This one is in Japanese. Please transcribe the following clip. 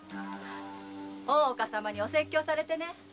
大岡様に説教されてね。